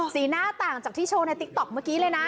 สีหน้าต่างจากที่โชว์ในติ๊กต๊อกเมื่อกี้เลยนะ